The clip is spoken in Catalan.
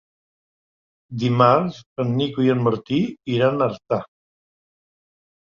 Dimarts en Nico i en Martí iran a Artà.